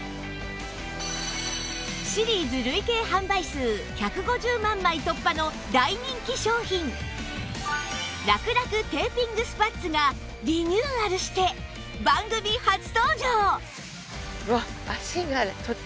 シリーズ累計販売数１５０万枚突破の大人気商品らくらくテーピングスパッツがリニューアルして番組初登場！